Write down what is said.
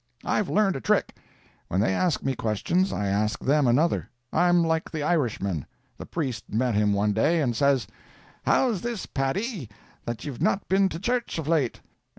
I've learned a trick. When they ask me questions, I ask them another. I'm like the Irishman. The priest met him one day, and says: "How's this, Paddy, that you've not been to the church of late?"